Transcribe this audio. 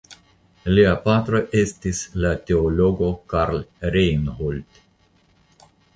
Lia patro estis la teologo Karl Reinhold.